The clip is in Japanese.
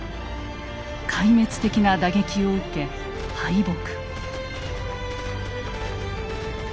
壊滅的な打撃を受け敗北。